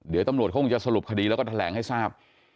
เดี๋ยวตำรวจคงจะสรุปคดีแล้วก็แถลงให้ทราบ